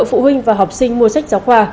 phụ huynh và học sinh mua sách giáo khoa